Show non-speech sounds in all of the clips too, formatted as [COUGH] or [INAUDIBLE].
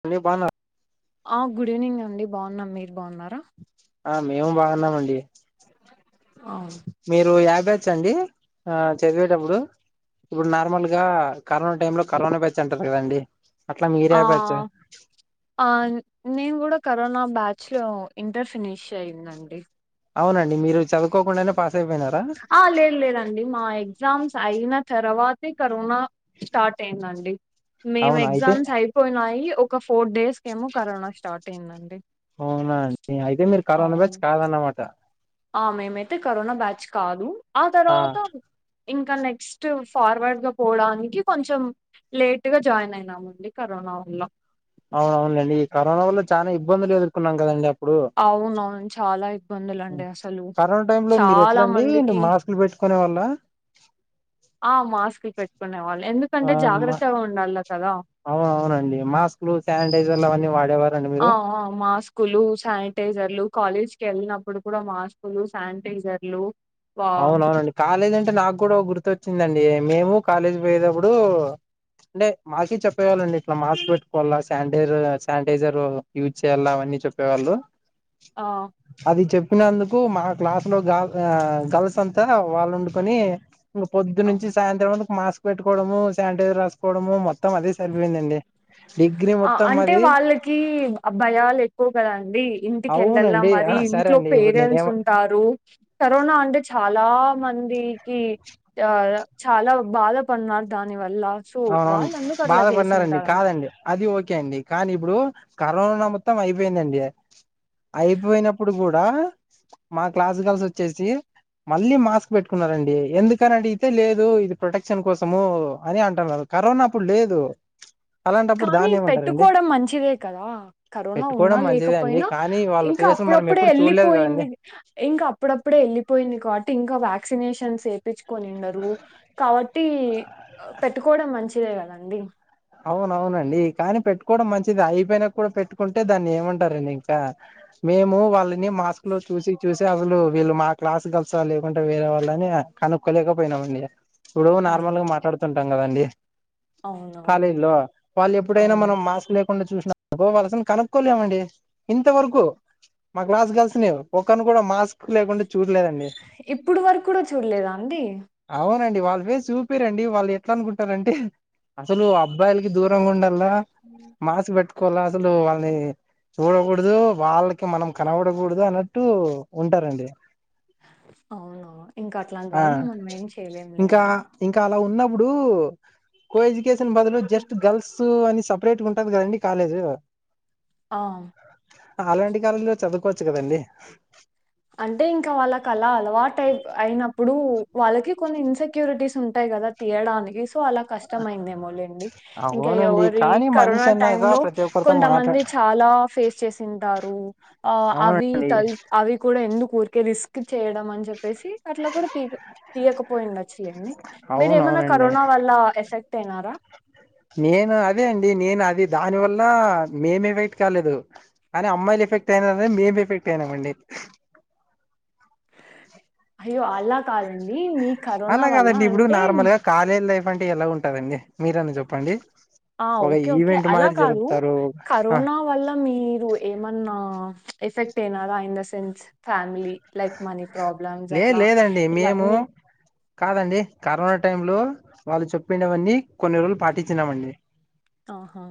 ఓ దాన ఆ good evening అండి బాగున్నాం మీరు బాగున్నారా ఆ మేము బాగున్నామండి ఆ మీరొ యాభై వచ్చండి ఆ చెప్పేటప్పుడు ఇప్పుడు నార్మల్ గా కరోనా టైమ్ లో కరోనా బ్యాచ్ అంటారు ఎవండి ఆ ఆ నేను కూడా క కరొనా బ్యాచ్ లో ఇంటర్ ఫినిష్ అయిందండి అవునండి మీరు చదువుకోకుండానే పాస్ అయిపోయినారా ఆ లేదు లేదండి మా ఎ ఎగ్జామ్స్ అయిన తర్వాతే కరోనా స్టార్ట్ అయిందండి మేం అవునా అయితే ఎగ్జామ్స్ అయిపోయినాయి ఫోర్ డేస్ కీ ఏమో కరొన స్టార్ట్ అయిందండి అవునాండి అయితే మీరు కరోనా బ్యాచ్ అవును కాదన్నమాట ఆ మేమైతే కరోనా బ్యాచ్ కాదు ఆ తరువాత ఇంకా నెక్స్ట్ ఫార్వర్డ్గా పోవడానికి కొంచెం లేట్గా జాయిన్ అయినామండి కరోనా వల్ల అవున అండి ఈ కరోనా వల్ల చాలా ఇబ్బందులు ఎదుర్కొన్నాం కదండి అప్పుడు అవున అవును చాలా ఇబ్బందులు అండి అసలు కరోనా చాలా మందికి కొనే వాళ్ళ ఆ మాస్క్ పెట్టుకునే వాళ్ళు అవును మా అవును అవునండి మాస్కులు శానిటైజర్లు అవన్నీ వాడేవారండి ఆ! మీరు ఆ! మాస్కులు శానిటైజర్లు కాలేజ్ కు వెళ్ళినప్పుడు కూడా మాస్కు లు శానిటైజర్లు వా అవునవునండి కాలేజు అంటే నాకు కూడా గుర్తొచ్చిందండి మేము కాలేజీ పోయేతప్పుడు అంటే మాకు చెప్పేవాళ్ళు అండి ఇట్లా మాస్క్ పెట్టుకోవాలా శానిటైజర్ శానిటైజర్ యూజ్ చేయాలా అవన్నీ చెప్పేవాళ్ళు ఆ! అది చెప్ తునందుకు మా క్లాస్ లో బాగా గల్స్ అంతా వాళ్ళు వుండుకొని ఇంక పొద్దు ఆ! నుంచి సాయంత్రం వరకు మాస్క్ మాస్క్ పెట్టుకోవడము శానిటైజర్ రాసుకోవడము మొ ఆ మొత్తం అంటే మాది వాళ్ళకి భయాలు ఎక్కువ కదాండి ఇంటికి వెళ్ళల్ల అవునండి. ఆ మరి సరే ఇంట్లో అండి ఇప్పుడు పేరెంట్స్ నేనేమ ఉంటారు కరోనా అంటే చాలా మందికి ఆ చాలా బాధపడ్న్నారు దాని వల్ల సో వాళ్ళన్ను బాధపడ్నారండి కాదండి అది ఓకే అండి కానీ ఇప్పుడు కరోనా మొత్తం అయిపోయిందండి. అయిపోయినప్పుడు గూ దా మా క్లాస్ గల్స్ వచ్చేసి మళ్ళీ మాస్క్ పెట్టుకున్నారండి ఎందుకని అడిగితే లేదు ఇది ప్రొటెక్షన్ కోసము అని అ [UNINTELLIGIBLE] కరోనా అప్పుడు లేదు అలాంటప్పుడు కానీ దాన్ని ఏమంటారండి పెట్టుకోవడం మంచిదే కదా కరోనా ఉన్నా పెట్టుకోవడం మంచిదే అండి లేకపోయినా కానీ వాళ్ళ ఇంకా ఫేస్ మనం అప్పుడప్పుడే ఎప్పుడు చూడలేదు ఎళ్ళిపోయింది కదండి ఇంకా అప్పుడప్పుడే ఎళ్ళిపోయింది కాట్టి ఇంకా వ్యాక్ క్సినేషన్స్ ఏపి కొనిండరు కావట్టి పెట్టుకోవడం మంచి తిరే కదండి అవునవునండి కానీ పెట్టుకోవడం మంచిది అయిపోయినా కూడా పెట్టుకుంటే దాన్ని ఏమంటారండి ఇంకా మేము వాళ్ళని మాస్క్ లో చూసి చూసి అసలు వీళ్ళు మా క్లా గర్ల్స్ లేకుండా వేరే వాళ్ళని కనుక్కోలేకపోయినామండి ఇప్పుడు అయ్య నార్మల్ గా మాట్లాడుతుంటాం కదండి అవునవును కాలేజ్ లో వాళ్ళు ఎప్పుడైనా అవును మనం మాస్ లేక కుండ చూసిన అనుకో వాళ్ళ [UNINTELLIGIBLE] కనుక్కోలేమండి ఇంతవరకు మా క్లాస్ గర్ల్స్ ని ఒక్కరిని కూడా మాస్క్ లేకుండా చూడలేదండి ఇప్పుడు వరకు కూడా చూడలేదా అండి డి వాళ్ళు వాళ్ల ఫేస్ చూపిరండి వాళ్ళు ఎట్లా అనుకుంటారంటే అసలు అబ్బాయిలకి దూర గుండల్ల మాస్క్ పెట్టుకోల తులు వాళ్ళని చూడకూడదు వాళ్ళకి మనం కనబడకూడదు అన్నట్టు ఉంటారండి. అవును ఇంకా అట్లాంటి ఆ వాళ్ళని మనం ఏం చేయలేంలేండి డు కొఎ కేషను బదులు జస్ట్ గర్ల్స్ సు అని సపరేట్ గా ఉంటది కదండి కాలేజు ఆ అలాంటి కాలేజీలో చదువుకోచ్చు కదండి అంటే ఇంకా వాళ్ళకి అలా అలవాటయ అయినప్పుడు వాళ్ళకి కొన్ని ఇన్సెక్యూరిటీస్ ఉంటాయి కదా తీయడానికి అలా కష్టమైందేమో లేండి అవునండి ఇంకెవరి కానీ మనిషి కరోనా అన్నాక టైంలో ప్రతి ఒక్కరితో మాట్లా కొంతమంది చాలా ఫేస్ చేసి ఉంటారు అవి అవునండి త ఆ అవి ఎందుకు ఊరికే రిస్క్ చేయడం అని చెప్పేసి అట్లా కూడా తీ తీయకపోయి ఉండొచ్చు లేండి మీరు ఏమైనా అవునవునండి కరోనా వల్ల ఎఫెక్ టేనారా నేను అదే అండి నేను అది దాని వల్ల మేమి ఎఫెక్ట్ కాలేదు కానీ అమ్మాయిలు ఎఫెక్ట్ అయినారుఅని మేము ఎఫెక్ట్ అయినాంండి అయ్యో అల్ అలా కాదండి మీ కరోనా అలా వల్ల కాదండి ఇప్పుడు అంటే నార్మల్ గా కాలేజ్ లైఫ్ ఎలా ఉంటదండి మీరన్న చెప్పండి ఆ ఒక ఓకే ఓకే ఈవెంట్ అలా మాదిరి కాదు జరుపుతారు ఆ, కరోనా వల్ల మీరు ఏమన్నా ఎఫెక్ట్ అయినరా in the sense family like money problems లే అట్లా లేదండి మేము ఇవన్నీ కాదండి కరోనా టైం లో వాళ్ళు చెప్పిన వన్నీ కొన్ని రోజులు పాటించినామండి ఆహా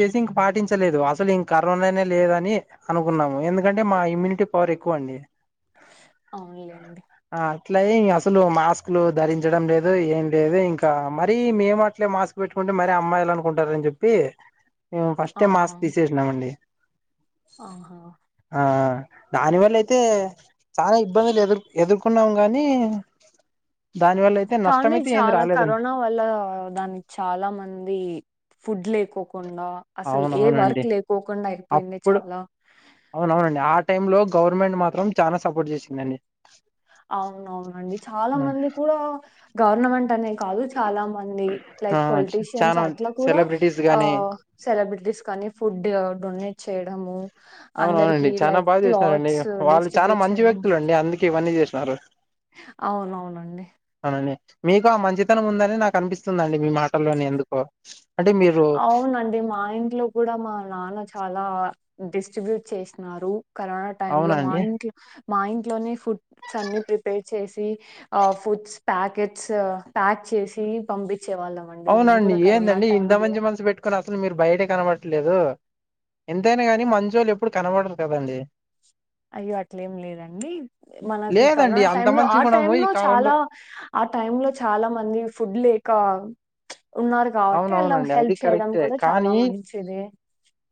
చేసి ఇంక పాటించలేదు అసలు ఇంక కరోనానే లేదని అనుకున్నాము ఎందుకంటే మా ఇమ్యూనిటీ పవర్ ఎక్కువ అండి అవునులెండి. ఆ అట్ల అసలు మాస్కులు ధరించడం లేదు ఏం లేదు ఇంకా మరీ మేము అట్లే మాస్క్ పెట్టుకుంటే మరీ అమ్మాయిలు అనుకుంటారు అని చెప్పి మేము ఆ! ఫస్టే మాస్క్ తీసేసినామండి ఆహా ఆ దానివల్ల అయితే చాలా ఇబ్బందులు ఎదురు ఎదుర్కొన్నాం గానీ కానీ చాలా కరోనా వల్ల దానికి చాలా మంది ఫుడ్ లేక్ కుండా అసలు ఏ వర్క్ అవునవునండి లేకోకుండా అయిపోయింది అప్పుడు చాలా గవుర్న్మెంట్ మాత్రం చాలా సపోర్ట్ చేసిందండి అవును అవునండి చాలా మంది కూడా గవర్నమెంట్ అనేది కాదు చాలా మంది ఆ లైక్ పొలిటీషియన్స్ చానా అట్ల కూడా సెలబ్రిటీస్ ఆ గాని సెలబ్రిటీస్ కానీ ఫుడ్ డొనేట్ చేయడము అవునవునండి అందరికీ చాన లైక్ బాగా చేసరండి క్లాత్స్ వాళ్ళు చాలా డిస్ట్రిబ్యూట్ మంచి చేయడం. వ్యక్తులు అండి అందుకే ఇవన్నీ చేసి తారు అవునవునండి అవునండి మీకు ఆ మంచితనం ఉందని నాకు అనిపిస్తుందండి మీ మాటల్లోనే ఎందుకో అంటే మీరు అవునండి మా ఇంట్లో కూడా మా నాన్న చాలా డిస్టిబ్యూట్ చేసినారు కరోన టైమ్లో మా అవునండి ఇంట్లో మా ఇంట్లోనే ఫుడ్సన్ని ప్రిపేర్ చేసి ఆ ఫుడ్స్ ప్యాకెట్స్ ప్యాక్ చేసీ పంపి అవునండి ఏందండి ఇంత మంచి మనసు పెట్ కుని అసలు మీరు బయట కనబడట్లేదు ఎంతైనా గానీ మంచోళ్ళు ఎప్పుడు కనబడరు కదండి అయ్యో అట్లేం లేదండి మనకి లేదండి కరోనా అంత టైం లో మంచి ఆ టైం గుణము ఈ లో కాలంలో చాలా ఆ టైం లో చాలా మంది ఫుడ్ లేక ఉన్నారు కాబట్టి అలా అవునవునండి అది హెల్ప్ చేయడం కరెక్టే కూడ చాలా కానీ మంచిది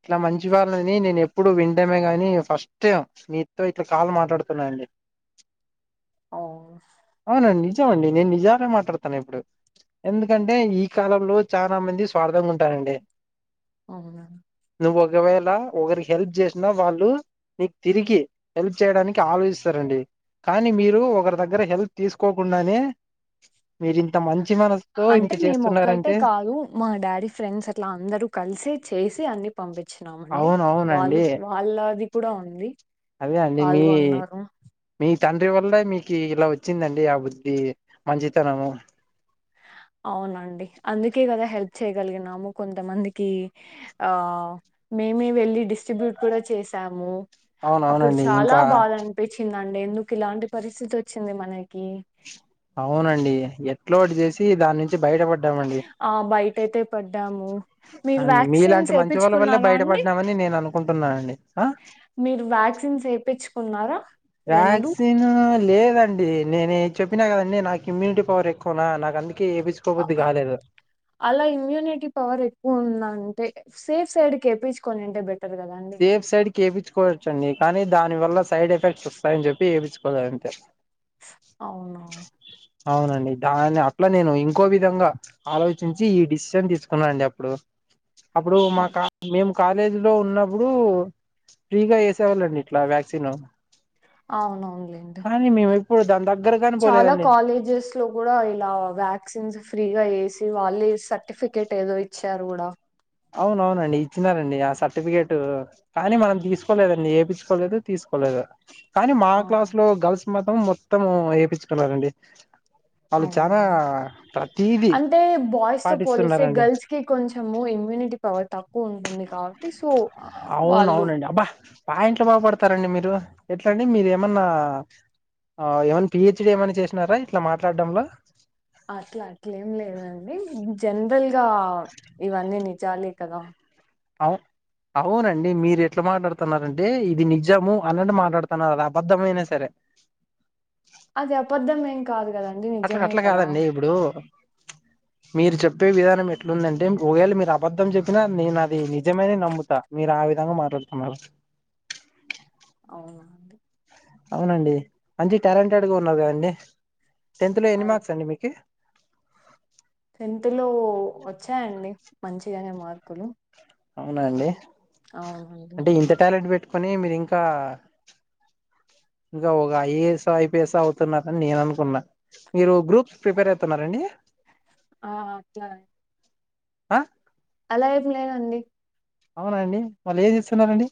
ఇట్లా మంచి వాళ్ళని నేను ఎప్పుడు విఃటమే గాని ఫస్ట్ టైం మీతో ఇట్లా కాల్ మాట్లాడుతున్నానండి అవును అవునండి నిజమండి నేను నిజాలే మాట్లాడుతాను ఎప్పుడు ఎందుకంటే ఈ కాలంలో చాలా మంది స్వార్థంగా ఉంటారండి అవునా నువ్వు ఒకవేళ ఒకరికి హెల్ప్ జేసినా వాళ్ళు మీకు తిరిగి హెల్ప్ చేయడానికి ఆలోచిస్తారండి కానీ మీరు ఒకరి దగ్గర హెల్ప్ తీసుకోకుండానే మీరి ఇంత మం అంటే మేము ఒక్కటే కాదు మా డాడీ ఫ్రెండ్స్ అట్లా అందరు కలిసి చేసి అన్ని పంపి చ్చినామండి అవును వాళ్ళు అవునండి. వాళ్ళది కూడ ఉంది అదే అండి మీ.. పాల్గొన్నారు మీ తండ్రి వల్ల మీకి ఇలా వచ్చిందండి ఆ బుద్ధి మంచితనము అవునండి అందుకే కదా హెల్ప్ చేయగలిగినాము కొంతమందికి ఆ.. మేమే వెళ్ళి డిస్ స్ట్రిబ్యూట్ కూడా చేసాము అప్పుడు అవునవునండి. చాలా ఇంకా బాధ అనిపిచ్చి అండి ఎందుకు ఇలాంటి పరిస్థితి వచ్చింది మనకి అవునండి ఎట్లోటి చేసి దాని నుంచి బయటప ఆ బయటయితే పడ్డాము మీరు అండి మీలాంటి వ్యాక్సిన్స్ మంచి వాళ్ళ వల్లే ఏపించుకున్నారా అండి బయటపడ్డామని నేను అనుకుంటున్నానండి ఆ మీరు వ్యాక్సిన్స్ ఏపించు కున్నారా వ్యాక్సిన్ లేదండి నేనే చెప్పినా కదండి నాకు ఇమ్యూనిటీ పవర్ ఎక్కువనా నాకు అందు ఆ అలా ఇమ్యూనిటీ పవర్ ఎక్కువ ఉందంతె సేఫ్ సైడ్ కేపించుకోనింటే బె సేఫ్ సైడ్ కి ఏపిచ్చుకోవచ్చు అండి. కానీ దాని వల్ల సైడ్ ఎఫెక్ట్స్ వస్తాయని చెప్పి ఏపిచ్చుకోలేదు అంతే అవునా అవునండి దాన్ని అట్లా నేను ఇంకో విధంగా ఆలోచించి ఈ డిసిషన్ తీసుకున్నానండి అప్పుడు అప్పుడు అవును మాకా మేము కాలేజీ లో ఉన్న ప్పుడు ఫ్రీగా ఎసేవాళ్ళండి ఇట్లా వ్యాక్సిను అవున అవునులేండి. [UNINTELLIGIBLE] చాలా పోలేదండి కాలేజెస్ లో కూడా ఇలా వ్యాక్సిన్స్ ఫ్రీగా ఏసి వాళ్ళే సర్టిఫికేట్ ఏదో ఇచ్చారు కూడా అవునవునండి ఇచ్చినారండి. ఆ సర్టిఫికేట్ కానీ మనం తీసుకోలేదండి, ఏపించుకోలేదు తీసుకోలేదు. కానీ మా ఆహా క్లాస్ లో గర్ల్స్ మ మొత్తం ఏపించుకున్నారండి అవునవును అంటే బాయ్స్ తో పోలిస్తే పాటిస్తున్నారండి గర్ల్స్ కి కొంచెము ఇమ్యూనిటీ పవర్ తక్కువ ఉంటుంది కాబట్టి సో వాళ్ళు అవునవునండి అబ్బా పాయింట్లు బాగపడతారండి మీరు ఎట్లాండి మీరు ఏమన్నా ఏమన్నా పిహెచ్ డి ఏమన్నా చేసినారా ఇట్లా మాట్లాడడంలో అట్లా అట్లేం లేదండి జనరల్ గా ఇవన్నీ ని చాలీ కదా అవు అవునండి మీరు ఎట్లా మాట్లాడుతున్నారంటే ఇది నిజము అన్నట్టు మాట్లాడుతున్నారు అది అబద్ధమైనా సరే అది అబద్ధం ఏం కాదు కదండి అట్లా నిజమే అట్లా కదా కాదండి ఇప్పుడు మీరు చెప్పే విధానం ఎట్లుందంటే ఒవేళ మీరు అబద్ధం చెప్పినా నేను అది నిజమని నమ్ముతా మీరు ఆ విధంగా మాట్లాడుతున్నారు. అవునా అండి అవునండి మంచి టాలెంటెడ్గా ఉన్నావ్ కదండీ. టెన్త్ లో ఎన్ని మార్క్స్ అండి మీకి మంచిగనే మార్కులు అవునా అండి అవునవును కాని మీరు ఇంకా ఇంకా ఒక ఐఏఎస్ ఐపీఎస్ అవుతున్నని నేను అనుకున్నా మీరు గ్రూప్స్ ప్రిపేర్ అయాతున్నారండి ఆ అట్లా ఆ అలా ఏం లేదండి అవునా అండి మళ్ళీ ఏ చేస్తున్నారండి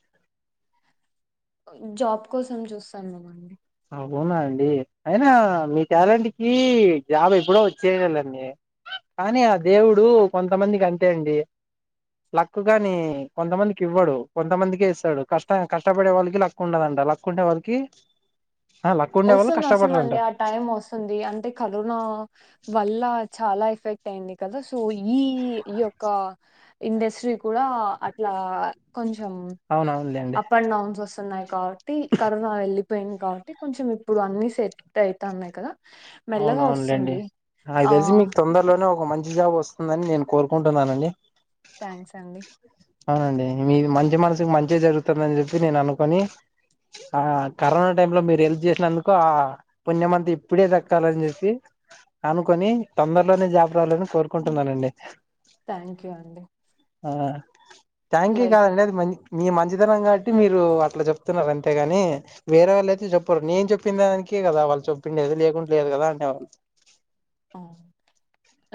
జాబ్ కోసం చూస్తున్నాం అండి ఆవునా అండి అయినా మీ టాలెంట్ కి జాబ్ ఎప్పుడో వచ్చేయాలీ అండి కానీ ఆ దేవుడు కొంతమందికి అంతే అండి లక్ గానీ కొంతమందికి ఇవ్వడు కొంతమందికే ఇస్తాడు కష్ట కష్టపడే వాళ్ళకి లక్ ఉండదంట లక్ ఉండే వాళ్ళకి ఆ లక్ ఉండే వాళ్ళు వస్తుంది కష్టపడరంట వస్తుందండి ఆ టైం వస్తుంది అంటే కరోనా వల్ల చాలా ఎఫెక్ట్ అయింది కదా సో ఈ ఈ యొక్క ఇండస్ట్రీ కూడా అట్లా కొంచం అవునవునులేండి అప్ అండ్ డౌన్స్ వస్తూ న్నాయి కాబట్టి కరోనా వెళ్లిపోయింది కాబట్టి కొంచెం ఇప్పుడు అన్ని సెట్ అయితన్నాయి కదా అవున మెల్లగా అవునులేండి వస్తుంది నాకు ఆ తెలిసి మీకు తొందరలోనే ఒక మంచి జాబ్ వస్తుందని నేను కోరుకుంటున్నానండి. థ్యాంక్స్ అండి అవునండి మీ మంచి మనసుకి మంచి జరుగుతుందిని చెప్పి నేను అనుకోని ఆ కరోనా టైం లో మీరు హెల్ప్ చేసినందుకు ఆ పుణ్యమఅంత ఇప్పుడే ద కాలని చెప్పి అనుకొని తొందరలోనే జాబ్ రావాలని కోరుకుంటున్నానండి థ్యాంక్ యూ అండి. ఆ థ్యాంక్యూ కాదండి అది మం మీ మంచితనం కాబట్టి మీరు అట్లా చెప్తున్నారు. అంతేగాని వేరే వాళ్ళయితే చెప్పరు నేను చెప్పిన దానికే కదా వాళ్ళు చెప్పిండేది లేకుం లేదు కదా అంటారు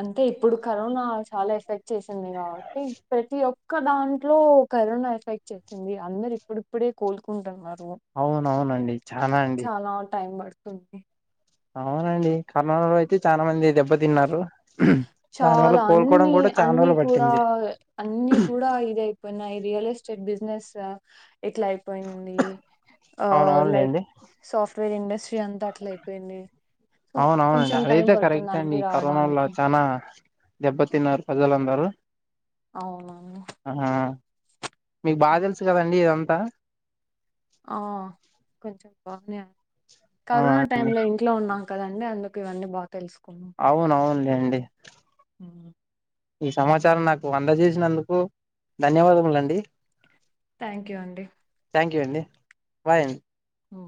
అంటే ఇప్పుడు కరోనా చాలా ఎఫెక్ట్ చేసింది కాబట్టి, ప్రతి ఒక్క దాంట్లో కరోనా ఎఫెక్ట్ చేసింది అందరు ఇప్పుడిప్పుడే కోలుకుంటున్నారు. అవునవునండి చనా అండి తుంకే అవునండి కర్నానాలో అయితే చాలా మంది దెబ్బతిన్నారు. దాని వల్ల చాలా కోలుకోవడం అన్ని కూడా చానా అన్ని రోజులు కూడా పట్టింది అన్ని కూడా ఇది అయిపోయినాయి. రియల్ ఎస్టేట్ బిజినెస్ సా ఎట్లా అయిపోయింది ఆ లైక్ అవునవునులేండి సాఫ్ట్ ట్రైన్ ఇండస్ట్రీ అంతా అట్ల అయిపోయింది. సో అవునవునండి కొంచెం టైం అదైతే పడుతుంది కరెక్టే అండి అన్ని ఈ కరోనాలో రావడానికి చానా దెబ్బతిన్నారు ప్రజల అందరు అవునవును మీకు ఆ బాగా తెలుసు కదండి ఇయం బ ఆ కొంచెం బానే ఆ కరోనా టైం లో ఇంట్లో ఉన్నాం. కదండి అందుకు ఇవన్నీ బా అవును అవునులేండి. ఈ సమాచారం నాకు అందజేసినందుకు ధన్యవాదములండి. థ్యాంక్ యూ అండి థ్యాంక్ యూ అండి బాయ్ అ ఊ